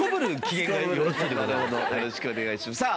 よろしくお願いします。